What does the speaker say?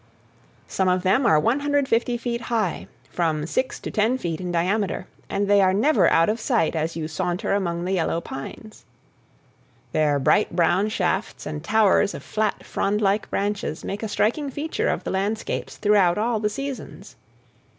Some of them are 150 feet high, from six to ten feet in diameter, and they are never out of sight as you saunter among the yellow pines. Their bright brown shafts and towers of flat, frondlike branches make a striking feature of the landscapes throughout all the seasons.